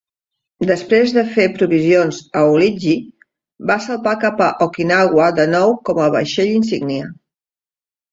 Després de fer provisions a Ulithi, va salpar cap a Okinawa, de nou com a vaixell insígnia.